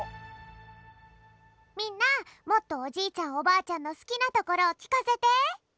みんなもっとおじいちゃんおばあちゃんのすきなところをきかせて！